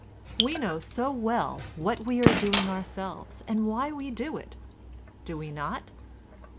We know so well what we are doing ourselves and why we do it, do we not?